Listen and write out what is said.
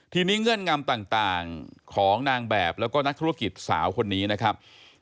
ทีนี้เงื่อนงำต่างของนางแบบแล้วก็นักธุรกิจสาวคนนี้นะครับ